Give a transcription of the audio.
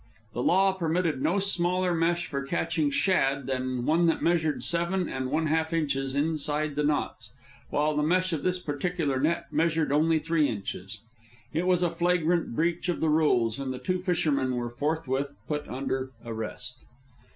The law permitted no smaller mesh for catching shad than one that measured seven and one half inches inside the knots, while the mesh of this particular net measured only three inches. It was a flagrant breach of the rules, and the two fishermen were forthwith put under arrest.